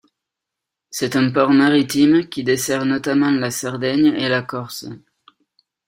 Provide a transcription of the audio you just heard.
C'est un port maritime qui dessert notamment la Sardaigne et la Corse.